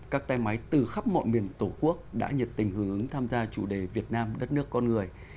các tay máy từ khắp mọi miền tổ quốc đã nhiệt tình hưởng ứng tham gia chủ đề việt nam đất nước con người